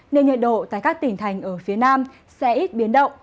nên nhiệt độ tại các tỉnh thành ở phía nam sẽ ít biến động